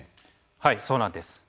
はいそうなんです。